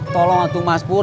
tolong atuh mas pur